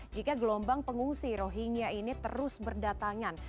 jika gelombang pengungsi rohingya ini terus berdatangan